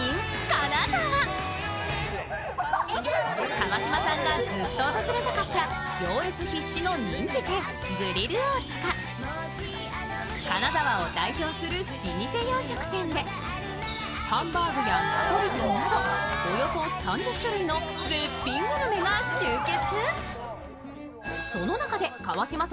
川島さんがずっと訪れたかった行列必至の人気店、グリルオーツカハンバーグやナポリタンなどおよそ３０種類の絶品グルメが集結。